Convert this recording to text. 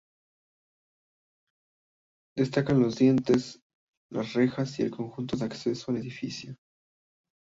Destacan los dinteles, las rejas y el conjunto de acceso al edificio.